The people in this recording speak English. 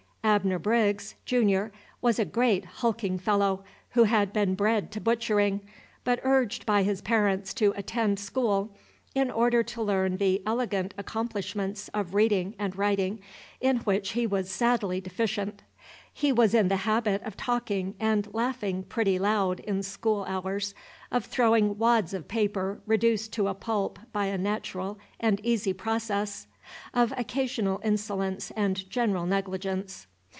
Abner Briggs, Junior, was a great, hulking fellow, who had been bred to butchering, but urged by his parents to attend school, in order to learn the elegant accomplishments of reading and writing, in which he was sadly deficient. He was in the habit of talking and laughing pretty loud in school hours, of throwing wads of paper reduced to a pulp by a natural and easy process, of occasional insolence and general negligence.